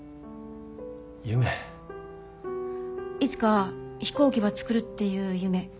いつか飛行機ば作るっていう夢。